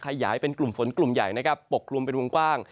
ขยายเป็นกลุ่มฝนกลุ่มใหญ่นะครับปกกลุ่มเป็นวงกว้าง